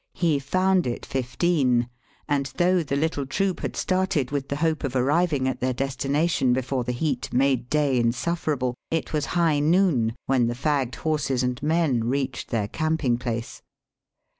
He found it fifteen, and though the little troop had started with the hope of arriving at their destination before the heat made day insufferable, it was high noon when the fagged horses and men reached their camping place.